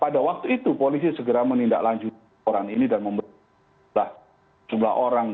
pada waktu itu polisi segera menindaklanjuti orang ini dan memberikan jumlah orang